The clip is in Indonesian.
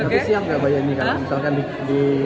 banyak gak banyak ini misalkan di siapa